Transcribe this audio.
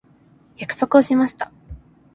約束をしました。